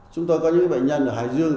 chúng tôi có những bệnh nhân ở hải dương